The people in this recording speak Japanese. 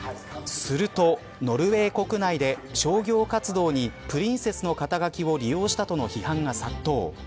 すると、ノルウェー国内で商業活動にプリンセスの肩書きを利用したとの批判が殺到。